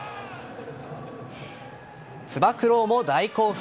つば九郎も大興奮。